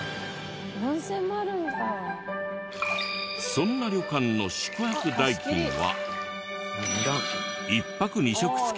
そんな旅館の宿泊代金は。